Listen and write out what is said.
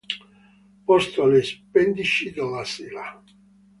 Posto alle pendici della Sila.